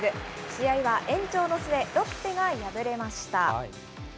試合は延長の末、ロッテが敗れました。